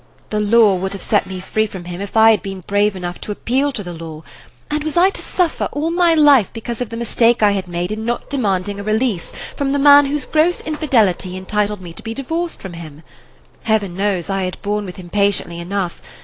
The law would have set me free from him if I had been brave enough to appeal to the law; and was I to suffer all my life because of the mistake I had made in not demanding a release from the man whose gross infidelity entitled me to be divorced from him? Heaven knows I had borne with him patiently enough.